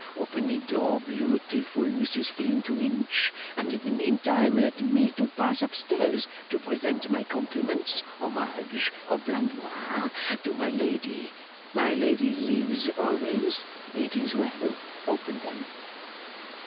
Open the door, beautiful Mrs Flintwinch, and in the meantime let me to pass upstairs, to present my compliments homage of Blandois to my lady! My lady lives always? It is well. Open then!